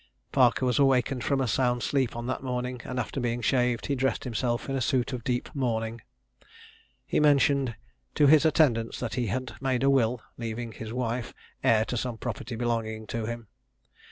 Parker was awaked from a sound sleep on that morning, and after being shaved, he dressed himself in a suit of deep mourning. He mentioned to his attendants that he had made a will, leaving his wife heir to some property belonging to him.